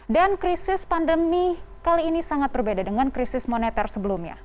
dan krisis pandemi kali ini sangat berbeda dengan krisis moneter sebelumnya